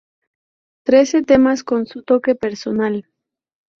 Trece temas con su toque personal.